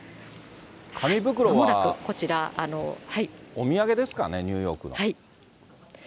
紙袋はお土産ですかね、ニューヨークの。